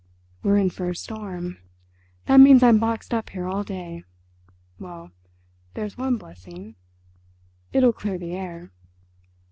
"We're in for a storm. That means I'm boxed up here all day. Well, there's one blessing; it'll clear the air."